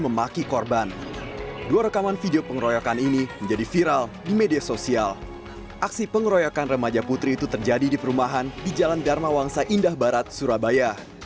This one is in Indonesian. pembelajaran putri itu terjadi di perumahan di jalan dharma wangsa indah barat surabaya